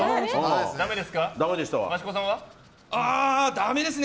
だめですね。